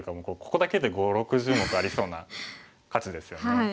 ここだけで５０６０目ありそうな価値ですよね。